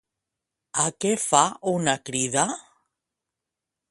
A què fa una crida?